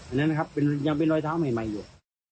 อันนั้นนะครับยังเป็นรอยเท้าใหม่อยู่